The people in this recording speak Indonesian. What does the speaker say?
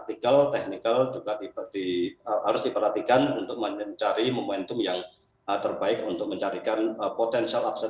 di harus diperhatikan untuk mencari momentum yang terbaik untuk mencarikan potensial upset yang